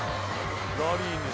ラリーに。